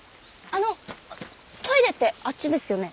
あのトイレってあっちですよね？